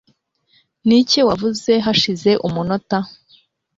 Niki wavuze hashize umunota?